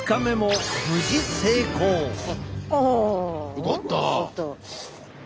よかった！